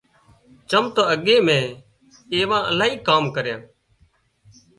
چم تو اڳي مين ايوان الاهي ڪام ڪريان